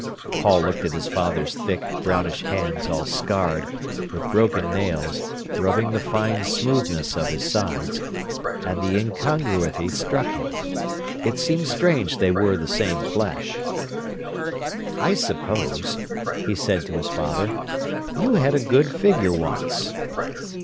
Paul looked at his father's thick, brownish hands all scarred, with broken nails, rubbing the fine smoothness of his sides, and the incongruity struck him. It seemed strange they were the same flesh. "I suppose," he said to his father, "you had a good figure once."